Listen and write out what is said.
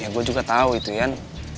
ya gua juga tau itu yan